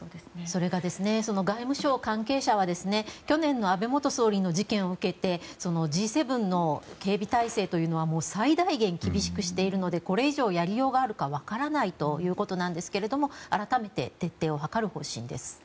それが外務省関係者は去年の安倍元総理の事件を受けてＧ７の警備態勢は最大限に厳しくしているのでこれ以上やりようがあるか分からないということですが改めて徹底を図る方針です。